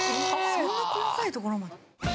そんな細かいところまで。